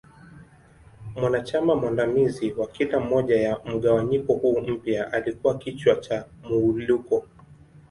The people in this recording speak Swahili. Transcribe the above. Mwanachama mwandamizi wa kila moja ya mgawanyiko huu mpya alikua kichwa cha Muwuluko.